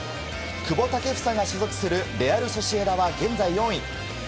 久保建英が所属するレアル・ソシエダは現在４位。